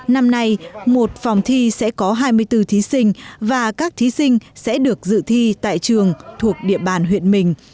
năm nay một phòng thi sẽ có hai mươi bốn thí sinh và các thí sinh sẽ được dự thi tại trường thuộc địa bàn huyện mình